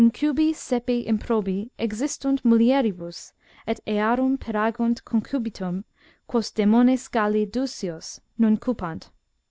* Incubi sepe improbi existunt mulieribus, et earum peragunt concubitum, quos demones Galli dusios nnn cupant."